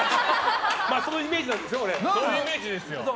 そのイメージなんでしょ、俺。